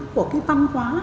của cái văn hóa